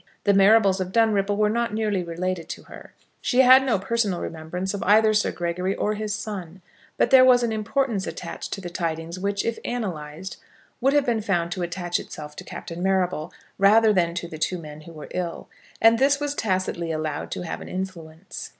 The Marrables of Dunripple were not nearly related to her. She had no personal remembrance of either Sir Gregory or his son. But there was an importance attached to the tidings, which, if analysed, would have been found to attach itself to Captain Marrable, rather than to the two men who were ill; and this was tacitly allowed to have an influence.